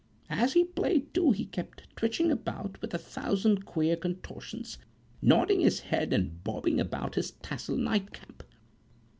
As he played, too, he kept twitching about with a thousand queer contortions; nodding his head and bobbing about his tasselled night cap.